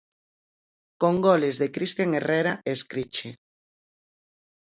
Con goles de Cristian Herrera e Escriche.